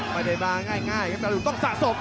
ไม่ได้มาง่ายแต่ต้องสะสม